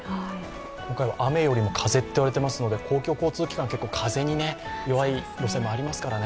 今回は雨よりも風といわれていますので公共交通機関、風に弱い路線もありますからね。